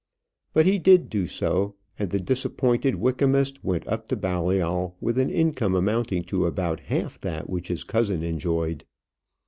But he did do so, and the disappointed Wykamist went up to Balliol with an income amounting to about half that which his cousin enjoyed.